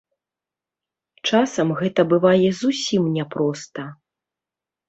Часам гэта бывае зусім няпроста.